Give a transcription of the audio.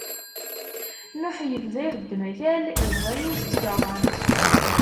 Nuḥ ibda ixeddem akal, iẓẓa yiwet n tfeṛṛant.